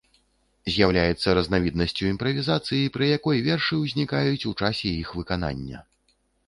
З'яўляецца разнавіднасцю імправізацыі, пры якой вершы ўзнікаюць у часе іх выканання.